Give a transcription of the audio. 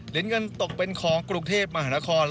เหรียญกันตกเป็นของกรุงเทพมาฮนคร